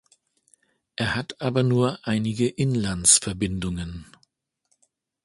Er hat aber nur einige Inlandsverbindungen.